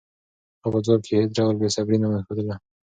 هغه په ځواب کې هېڅ ډول بېصبري نه ښودله.